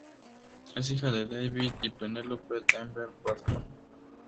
Es hija de David y Penelope Bamber-Barton.